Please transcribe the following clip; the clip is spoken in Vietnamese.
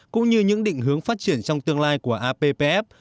cũng như những định hướng phát triển trong tương lai của appf